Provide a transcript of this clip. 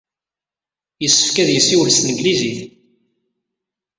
Yessefk ad yessiwel s tanglizit.